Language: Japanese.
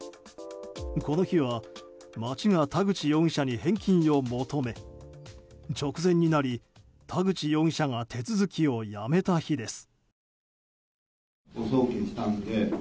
この日は、町が田口容疑者に返金を求め直前になり田口容疑者が手続きをやめた日です。